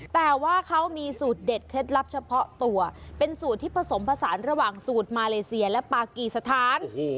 แต่ว่าเขามีสูตรเด็ดเคล็ดลับเฉพาะตัวเป็นสูตรที่ผสมผสานระหว่างสูตรมาเลเซียและปากีสถาน